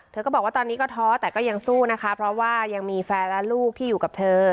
เธอก็บอกว่าตอนนี้ก็ท้อแต่ก็ยังสู้นะคะเพราะว่ายังมีแฟนและลูกที่อยู่กับเธอ